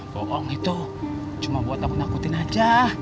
boong itu cuma buat aku nakutin aja